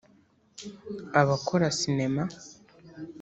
abakora sinema